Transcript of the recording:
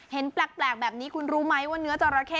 เห็นแปลกแบบนี้คุณรู้ไหมว่าเนื้อจราเข้